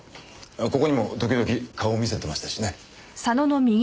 ここにも時々顔を見せてましたしね。